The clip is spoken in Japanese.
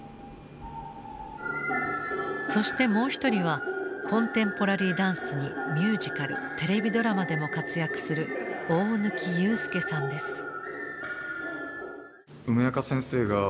そしてもう一人はコンテンポラリーダンスにミュージカルテレビドラマでも活躍する大貫勇輔さんです。